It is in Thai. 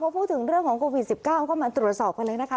พูดถึงเรื่องของโควิด๑๙เข้ามาตรวจสอบกันเลยนะคะ